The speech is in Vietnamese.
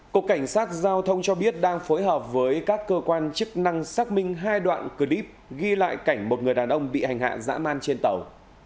cục cảnh sát giao thông cho biết đang phối hợp với các cơ quan chức năng xác minh hai đoạn clip ghi lại cảnh một người đàn ông bị hành hạ dã man trên tàu